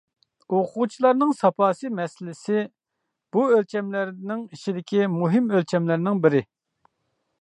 ئوقۇغۇچىلارنىڭ ساپاسى مەسىلىسى بۇ ئۆلچەملەرنىڭ ئىچىدىكى مۇھىم ئۆلچەملەرنىڭ بىرى.